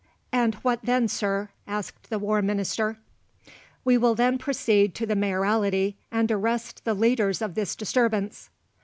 "And what then, Sir?" asked the War Minister. "We will then proceed to the Mayoralty and arrest the leaders of this disturbance."